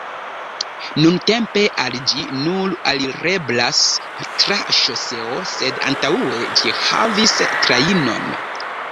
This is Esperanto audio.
Nuntempe al ĝi nur alireblas tra ŝoseo sed antaŭe ĝi havis trajnon.